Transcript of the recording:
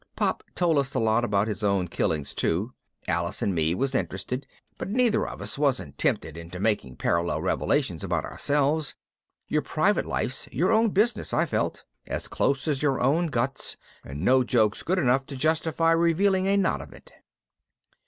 Pop told us a lot about his own killings too. Alice and me was interested, but neither of us wasn't tempted into making parallel revelations about ourselves. Your private life's your own business, I felt, as close as your guts, and no joke's good enough to justify revealing a knot of it.